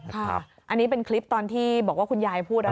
ค่ะอันนี้เป็นคลิปตอนที่บอกว่าคุณยายพูด